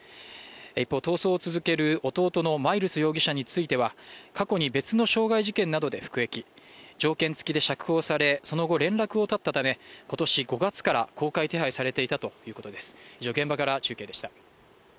一方逃走を続ける弟のマイルズ容疑者については過去に別の傷害事件などで服役条件付きで釈放されその後連絡を絶ったためことし５月から公開手配されていたということです